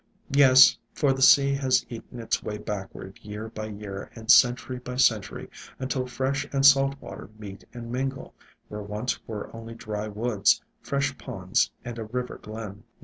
Yes, for the sea has eaten its way backward year by year and century by cen tury, until fresh and salt water meet and mingle, where once were only dry woods, fresh ponds and a river glen.